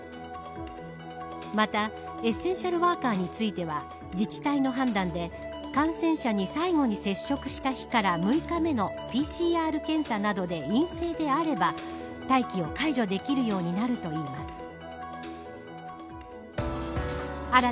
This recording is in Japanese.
また、エッセンシャルワーカーについては自治体の判断で感染者に最後に接触した日から６日目のＰＣＲ検査などで陰性であれば待機を解除できるようになるといいます。